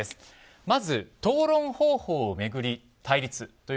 まず討論方法を巡り対立。